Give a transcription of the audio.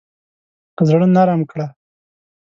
زړه نرم کړه.